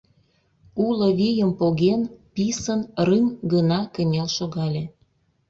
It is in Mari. Уло вийым поген, писын рыҥ гына кынел шогале.